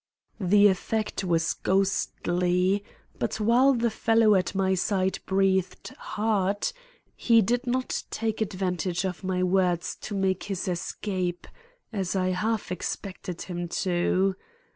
The effect was ghostly; but while the fellow at my side breathed hard he did not take advantage of my words to make his escape, as I half expected him to.